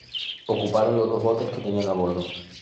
Ocuparon los dos botes que tenían a bordo.